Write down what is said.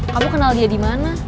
kamu kenal dia dimana